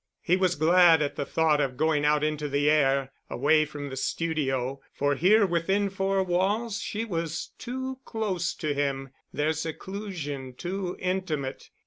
He was glad at the thought of going out into the air, away from the studio, for here within four walls she was too close to him, their seclusion too intimate.